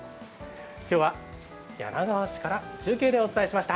きょうは柳川市から中継でお伝えしました。